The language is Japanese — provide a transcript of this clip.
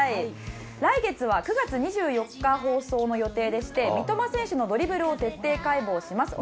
来月は９月２４日放送の予定でして三笘選手のドリブルを徹底解説します。